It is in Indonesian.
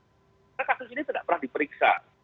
karena kasus ini tidak pernah diperiksa